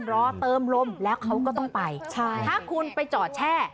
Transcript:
รอเติมลมแล้วเขาก็ต้องไปใช่ถ้าคุณไปจอดแช่